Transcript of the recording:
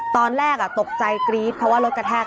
ตอนแรกตกใจกรี๊ดเพราะว่ารถกระแทก